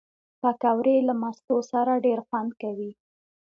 پکورې له مستو سره ډېر خوند کوي